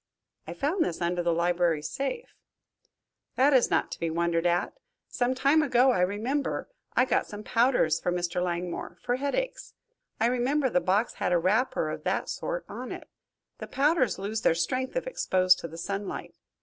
"I found this under the library safe." "That is not to be wondered at. Some time ago, I remember, I got some powders for Mr. Langmore, for headaches. I remember the box had a wrapper of that sort on it. The powders lose their strength if exposed to the sunlight.